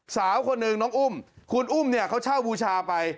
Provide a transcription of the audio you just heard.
สาวคนหนึ่งน้องอุ้มคุณอุ้มเนี่ยเขาเช่าบูชาไป